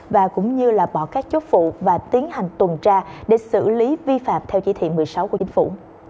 và cũng như là bỏ các chốt phụ và tiến hành tuần tra để xử lý vi phạm theo chỉ thị một mươi sáu của chính phủ